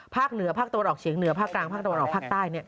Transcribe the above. ภาคเหนือภาคตะวันออกเฉียงเหนือภาคกลางภาคตะวันออกภาคใต้